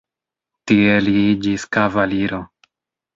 Tie li iĝis kavaliro.